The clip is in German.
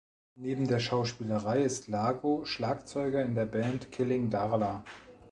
Neben der Schauspielerei ist Lago Schlagzeuger in der Band "Killing Darla".